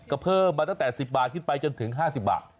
ก็เพิ่มมาตั้งแต่๑๐บาทขึ้นไปจนถึง๕๐บาท